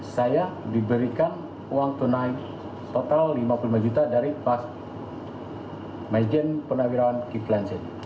saya diberikan uang tunai total rp lima puluh lima juta dari pak maijen purnawirawan kiflan zen